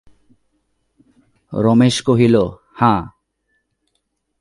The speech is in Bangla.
রমেশ কহিল, হাঁ।